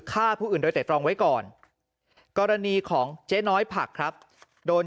ฆ่าผู้อื่นโดยแต่ตรองไว้ก่อนกรณีของเจ๊น้อยผักครับโดน